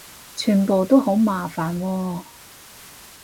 全部都好麻煩喎